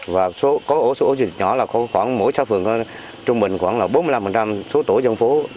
và có ổ số ổ dịch nhỏ là khoảng mỗi xã phường trung bình khoảng bốn mươi năm số tổ dân phố